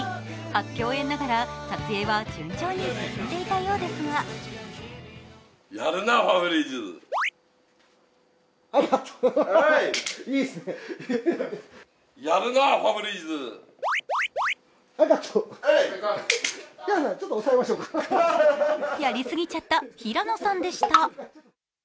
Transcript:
初共演ながら、撮影は順調に進んでいたようですがやりすぎちゃった平野さんでした。